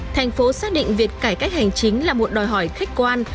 thành phố xác định việc cải cách hành chính là một đòi hỏi khách quan